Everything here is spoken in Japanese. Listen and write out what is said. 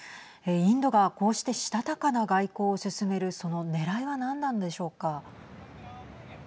インドがこうしてしたたかな外交を進めるそのねらいは何なんでしょうか。